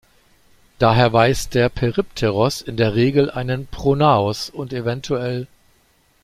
Daher weist der Peripteros in der Regel einen Pronaos und evtl.